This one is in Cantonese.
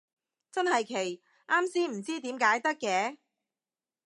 真係奇，啱先唔知點解得嘅